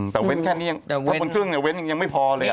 แต่เว้นแค่นี้ถ้าบนเครื่องเนี่ยเว้นยังไม่พอเลย